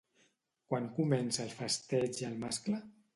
Quan comença el festeig el mascle?